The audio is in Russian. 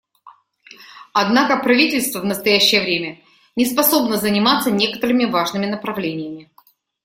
Однако правительство в настоящее время не способно заниматься некоторыми важными направлениями.